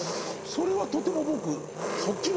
それはとても僕そっちの方がいい形。